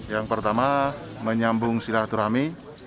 yang pertama menyambung silah turami